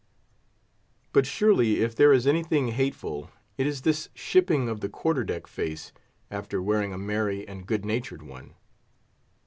But surely, if there is anything hateful, it is this shipping of the quarter deck face after wearing a merry and good natured one.